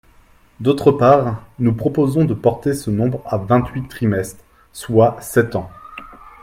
D’autre part, nous proposons de porter ce nombre à vingt-huit trimestres, soit sept ans.